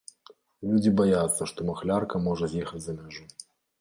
Людзі баяцца, што махлярка можа з'ехаць за мяжу.